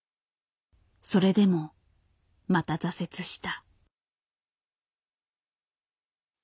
それでもまた挫折した。